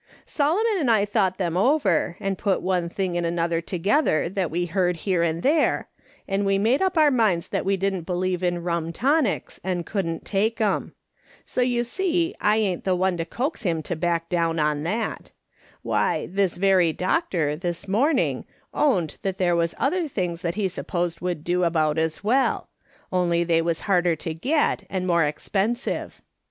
Solomon 300 MkS. SOLOMOM SMITH LOOKING OA^. and I thouglit them over, and put one thing and another together that we heard here and there, and we made up our minds that we didn't believe in rum tonics and couhhi't take 'em. So you see I ain't the one to coax him to back down on that. Why, this very doctor, this morning, owned that there was other things that lie supposed would do about as well, only they was harder to get, and more expen sive.